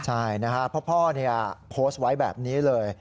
ใช่นะครับเพราะพ่อโพสต์ไว้แบบนี้เลย